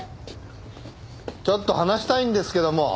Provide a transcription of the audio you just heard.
ちょっと話したいんですけども。